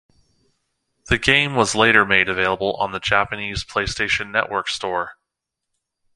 The game was later made available on the Japanese PlayStation Network Store.